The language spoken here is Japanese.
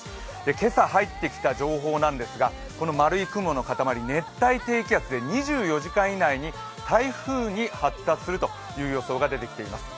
今朝入ってきた情報なんですが、この丸い雲の塊、熱帯低気圧で２４時間以内に台風に発達するという予想が出てきています。